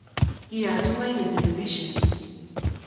Kiyat Tumaini telebision